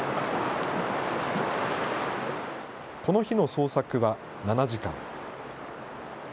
この日の捜索は７時間。